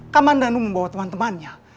kamandanu membawa teman temannya